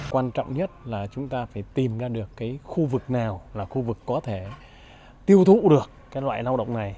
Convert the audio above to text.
quan trọng nhất là chúng ta phải tìm ra được cái khu vực nào là khu vực có thể tiêu thụ được cái loại lao động này